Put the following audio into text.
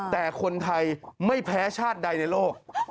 แต่คนไทยไม่แพ้ชาติใดในโลก